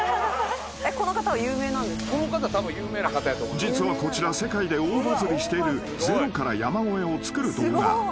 ［実はこちら世界で大バズりしているゼロから山小屋を造る動画］